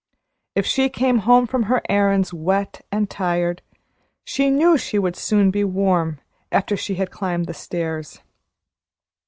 If she came home from her errands wet and tired, she knew she would soon be warm, after she had climbed the stairs.